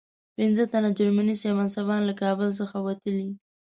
پنځه تنه جرمني صاحب منصبان له کابل څخه وتلي.